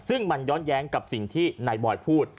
ซึ่งมันย้อนแย้งกับสิ่งที่นายบอยพูด